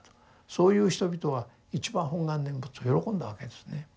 そういう人々は一番本願念仏を喜んだわけですね。